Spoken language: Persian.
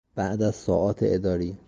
بعد از ساعات اداری